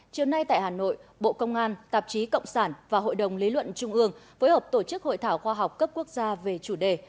chiều nay tại hà nội bộ công an tạp chí cộng sản và hội đồng lý luận trung ương phối hợp tổ chức hội thảo khoa học cấp quốc gia về chủ đề